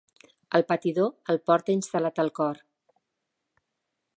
El patidor el porta instal·lat al cor.